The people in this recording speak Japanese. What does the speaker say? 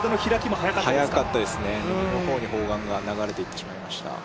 早かったですね、右の方に砲丸が流れていってしまいました。